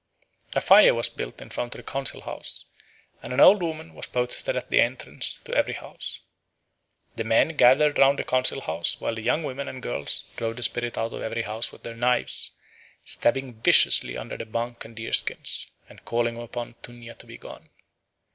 A fire was built in front of the council house, and an old woman was posted at the entrance to every house. The men gathered round the council house while the young women and girls drove the spirit out of every house with their knives, stabbing viciously under the bunk and deer skins, and calling upon Tuña to be gone.